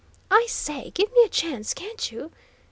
"I say, give me a chance, can't you?"